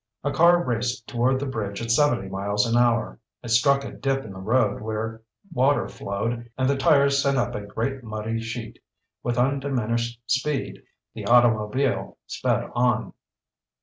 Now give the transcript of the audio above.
A car raced toward the bridge at seventy miles an hour. It struck a dip in the road where water flowed, and the tires sent up a great muddy sheet. With undiminished speed, the automobile sped on.